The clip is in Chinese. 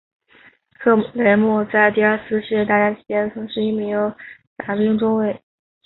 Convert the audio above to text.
克雷默在第二次世界大战期间曾是一名伞兵中尉。